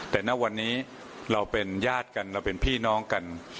แต่ณวันนี้เราเป็นญาติกันเราเป็นพี่น้องกัน